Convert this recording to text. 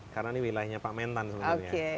karena ini wilayahnya pak mentan sebenarnya